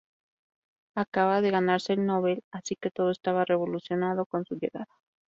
Acababa de ganarse el Nobel, así que todo estaba revolucionado con su llegada.